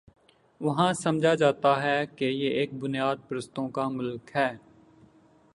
وہاں سمجھا جاتا ہے کہ یہ ایک بنیاد پرستوں کا ملک ہے۔